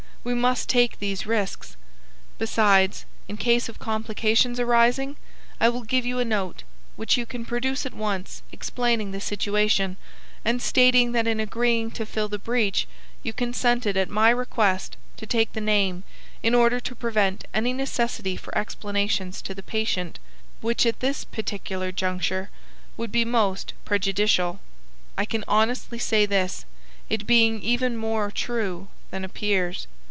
We must take these risks. Besides, in case of complications arising, I will give you a note, which you can produce at once, explaining the situation, and stating that in agreeing to fill the breach you consented at my request to take the name in order to prevent any necessity for explanations to the patient, which at this particular juncture would be most prejudicial. I can honestly say this, it being even more true than appears.